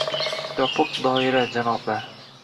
Yopiq doira, janoblar!